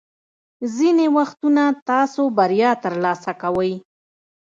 ځینې وختونه تاسو بریا ترلاسه کوئ.